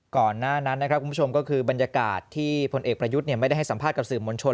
ก่อนหน้านั้นนะครับคุณผู้ชมก็คือบรรยากาศที่พลเอกประยุทธ์ไม่ได้ให้สัมภาษณ์กับสื่อมวลชน